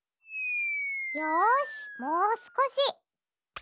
よしもうすこし。